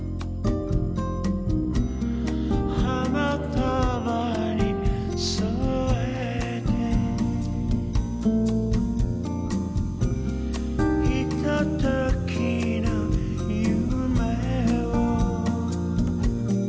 「花束に添えて」「ひとときの夢を」